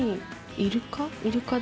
イルカだ。